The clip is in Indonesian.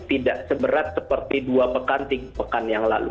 tidak seberat seperti dua pekan tiga pekan yang lalu